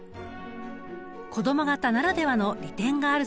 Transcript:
子供型ならではの利点があるそうです。